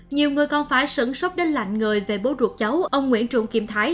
nhiều người còn phải sửng sốc đến lạnh người về bố ruột cháu ông nguyễn trụng kiểm thái